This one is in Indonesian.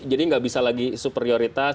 jadi nggak bisa lagi superioritas